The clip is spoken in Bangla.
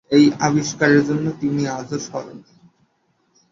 এই আবিষ্কারের জন্য তিনি আজও স্মরণীয়।